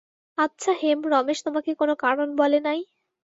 আচ্ছা হেম, রমেশ তোমাকে কোনো কারণ বলে নাই?